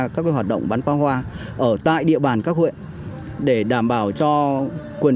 các hoạt động bắn phá hoa ở tại địa bàn các huyện để đảm bảo cho quân